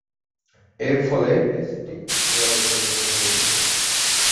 এরফলে টেস্টটি ড্রয়ে পরিণত হয়েছিল।